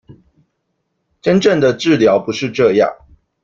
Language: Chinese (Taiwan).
真正的治療不是這樣